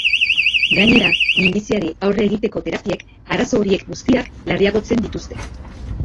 Gainera, minbiziari aurre egiteko terapiek arazo horiek guztiak larriagotzen dituzte.